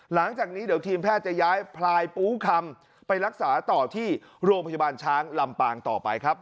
หลังจากนี้เดี๋ยวทีมแพทย์จะย้ายพลายปูคำไปรักษาต่อที่โรงพยาบาลช้างลำปางต่อไปครับ